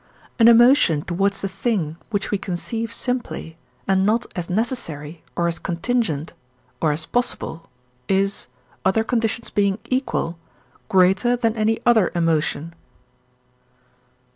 An emotion towards a thing, which we conceive simply, and not as necessary, or as contingent, or as possible, is, other conditions being equal, greater than any other emotion.